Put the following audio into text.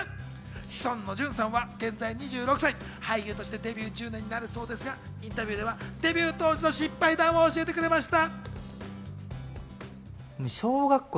志尊の淳さんは現在２６歳、俳優としてデビュー１０年になるそうですが、インタビューではデビュー当時の失敗談を教えてくれました。